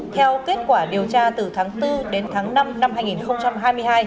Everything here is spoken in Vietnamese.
theo kết quả điều tra từ tháng bốn đến tháng năm năm hai nghìn hai mươi hai